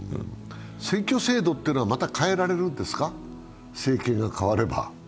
選挙制度というのは、また変えられるんですか、政権が代われば？